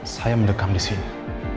saya mendekam disini